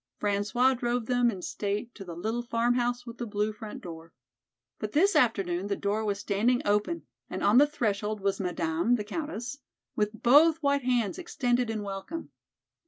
François drove them in state to the little "Farmhouse with the Blue Front Door." But this afternoon the door was standing open and on the threshold was Madame, the Countess, with both white hands extended in welcome.